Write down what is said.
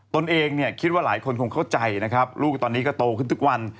ตนเองเนี่ยคิดว่าหลายคนคงเข้าใจนะครับลูกตอนนี้ก็โตขึ้นทุกวัน